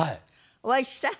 お会いした？